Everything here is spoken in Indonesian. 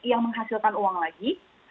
yang menghasilkan uang lagi